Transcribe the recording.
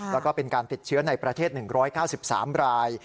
แล้วก็เป็นการติดเชื้อในประเทศ๑๙๓ราย